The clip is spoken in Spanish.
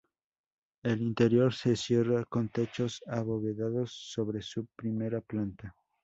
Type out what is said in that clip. El interior se cierra con techos abovedados sobre su primera planta.